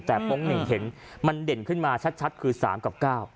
แต่โป๊งหนึ่งเห็นมันเด่นขึ้นมาชัดคือ๓กับ๙